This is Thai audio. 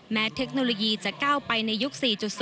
เทคโนโลยีจะก้าวไปในยุค๔๐